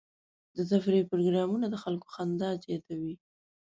د تفریح پروګرامونه د خلکو خندا زیاتوي.